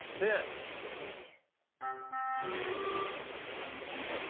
何か気になる？